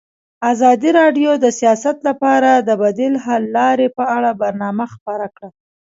ازادي راډیو د سیاست لپاره د بدیل حل لارې په اړه برنامه خپاره کړې.